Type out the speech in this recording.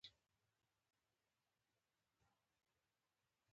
د یار ږغ د زړګي درزا چټکوي.